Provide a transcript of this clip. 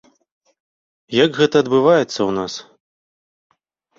Як гэта адбываецца ў нас?